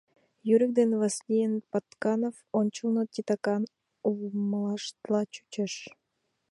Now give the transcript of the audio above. Юрик ден Васлийын Патканов ончылно титакан улмыштла чучеш.